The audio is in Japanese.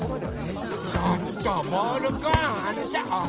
ちょっとボールくんあのさあっ。